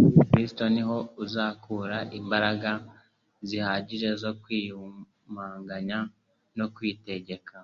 muri Kristo niho azakura imbaraga zihagije zo kwiyumanganya no kwitegeka.